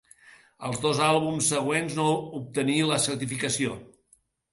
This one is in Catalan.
Els dos àlbums següents no obtenir la certificació.